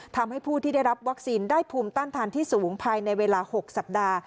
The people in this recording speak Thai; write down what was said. ทำให้ผู้ที่ได้รับวัคซีนได้ภูมิต้านทานที่สูงภายในเวลา๖สัปดาห์